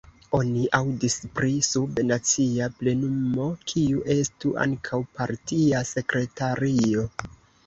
Oni aŭdis pri sub-nacia plenumo kiu estu ankaŭ partia sekretario.